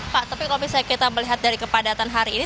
pak tapi kalau misalnya kita melihat dari kepadatan hari ini